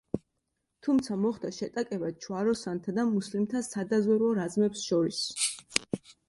თუმცა მოხდა შეტაკება ჯვაროსანთა და მუსლიმთა სადაზვერვო რაზმებს შორის.